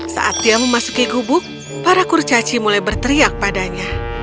saat dia memasuki gubuk para kurcaci mulai berteriak padanya